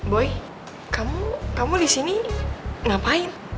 boy kamu kamu disini ngapain